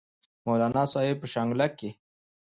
مولانا صاحب پۀ شانګله کښې